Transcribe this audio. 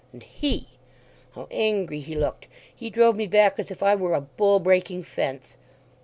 And he—how angry he looked. He drove me back as if I were a bull breaking fence....